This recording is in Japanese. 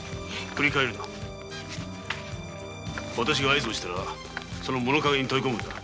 合図したらその物陰に飛び込むんだ。